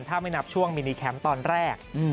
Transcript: ถ้าไม่นับช่วงมินิแคมป์ตอนแรก